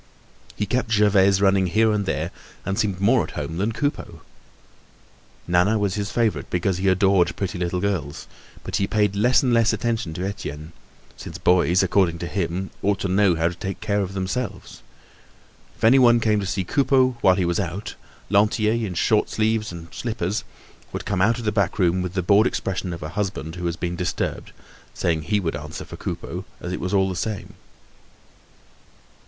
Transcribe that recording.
He kept Gervaise running here and there and seemed more at home than Coupeau. Nana was his favorite because he adored pretty little girls, but he paid less and less attention to Etienne, since boys, according to him, ought to know how to take care of themselves. If anyone came to see Coupeau while he was out, Lantier, in shirt sleeves and slippers, would come out of the back room with the bored expression of a husband who has been disturbed, saying he would answer for Coupeau as it was all the same.